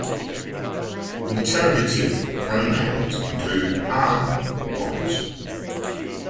Interrogative pronouns include "agn" "what?